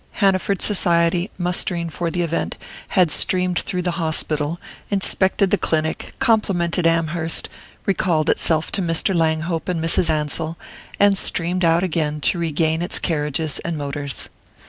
Hanaford society, mustering for the event, had streamed through the hospital, inspected the clinic, complimented Amherst, recalled itself to Mr. Langhope and Mrs. Ansell, and streamed out again to regain its carriages and motors.